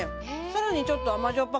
さらにちょっと甘じょっ